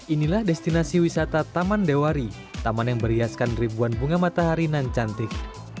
inilah destinasi wisata taman dewari taman yang berhiaskan ribuan bunga matahari nan cantik